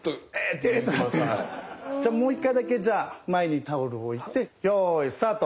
もう一回だけ前にタオルを置いてよいスタート。